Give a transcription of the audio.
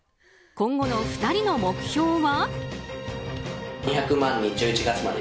今後の２人の目標は？